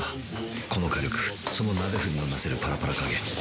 この火力その鍋振りのなせるパラパラ加減